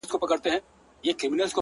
جلوه مخي په گودر دي اموخته کړم،